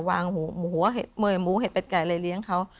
วางเหมือยมูกเห็ดเป็ดไก่เลยเลี้ยงเขา